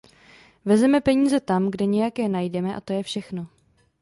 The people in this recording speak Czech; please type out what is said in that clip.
Vezmeme peníze tam, kde nějaké najdeme, a to je všechno.